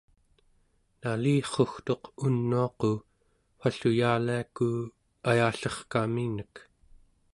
nalirrugtuq unuaqu wall'u yaaliaku ayallerkaminek